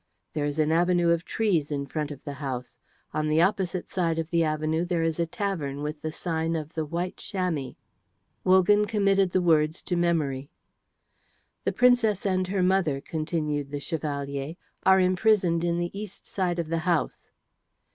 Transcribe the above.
There is an avenue of trees in front of the house; on the opposite side of the avenue there is a tavern with the sign of 'The White Chamois.'" Wogan committed the words to memory. "The Princess and her mother," continued the Chevalier, "are imprisoned in the east side of the house."